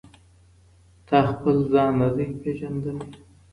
تا خپل ځان نه دی پیژندلی.